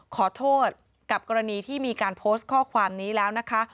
ขอโทษกับกรณีที่มีการโพสต์ข้อความนี้แล้วนะคะ